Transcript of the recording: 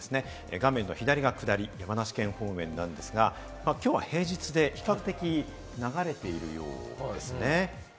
画面左が下り、山梨県方面なんですが今日は平日で比較的、流れているようですね。